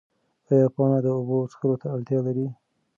ایا پاڼه د اوبو څښلو ته اړتیا لري؟